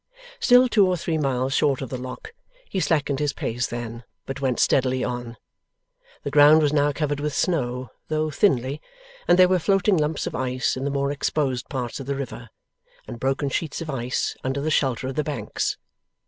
Still two or three miles short of the Lock, he slackened his pace then, but went steadily on. The ground was now covered with snow, though thinly, and there were floating lumps of ice in the more exposed parts of the river, and broken sheets of ice under the shelter of the banks.